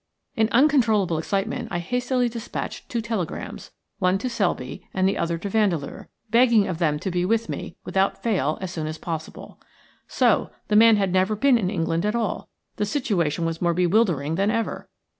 In uncontrollable excitement I hastily dispatched two telegrams, one to Selby and the other to Vandeleur, begging of them to be with me, without fail, as soon as possible. So the man had never been in England at all. The situation was more bewildering than ever.